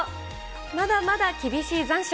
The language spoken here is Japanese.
まだまだ厳しい残暑。